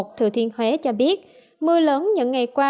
thừa thiên huế cho biết mưa lớn những ngày qua